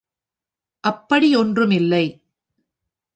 அப்படி ஒன்றும் இல்லை.